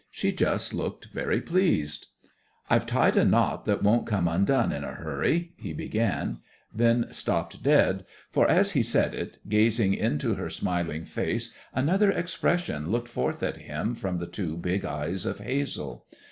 She just looked very pleased. "I've tied a knot that won't come undone in a hurry " he began, then stopped dead. For as he said it, gazing into her smiling face, another expression looked forth at him from the two big eyes of hazel.